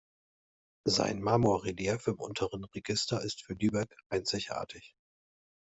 Sein Marmorrelief im unteren Register ist für Lübeck einzigartig.